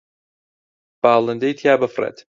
باڵندەی تیا بفڕێت